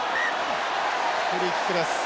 フリーキックです。